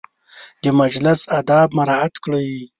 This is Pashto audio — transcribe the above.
د مجلس اداب مراعت کړئ